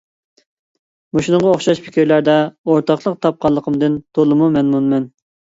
مۇشۇنىڭغا ئوخشاش پىكىرلەردە ئورتاقلىق تاپقانلىقىمدىن تولىمۇ مەمنۇنمەن.